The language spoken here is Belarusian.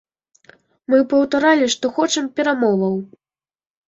Мы паўтаралі, што хочам перамоваў.